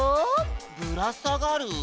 ぶらさがる？